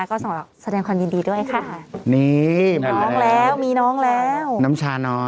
ก็สำหรับแสดงความยินดีด้วยค่ะนี่น้องแล้วมีน้องแล้วน้ำชาน้อย